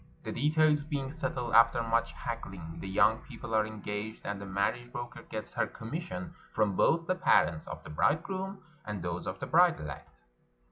The details being settled after much haggling, the young people are engaged, and the marriage broker gets her commission from both the parents of the bride groom and those of the bride elect.